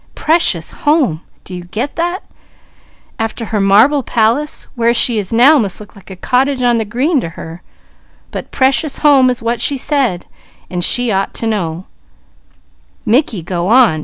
'Precious home!' Do you get that? After her marble palace, where she is now must look like a cottage on the green to her, but 'precious home' is what she said, and she ought to know " "Mickey go on!